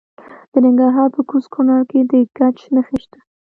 د ننګرهار په کوز کونړ کې د ګچ نښې شته.